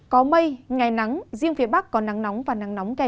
có mây ngày nắng có nơi nắng nóng